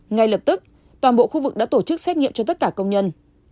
ngay lập tức toàn bộ khu vực đã tổ chức xét nghiệm cho tất cả công nhân